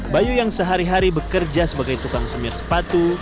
bayu yang sehari hari bekerja sebagai tukang semir sepatu